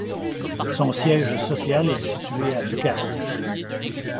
Son siège social est situé à Bucarest.